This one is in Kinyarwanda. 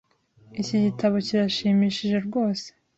Iki gitabo kirashimishije rwose .